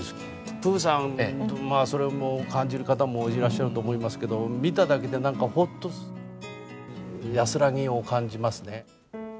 プーさん、それも感じる方もいらっしゃると思いますけれども、見ただけでなんかほっと、安らぎを感じますね。